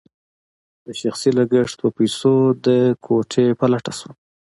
د شخصي لګښت په پیسو د کوټې په لټه شوم.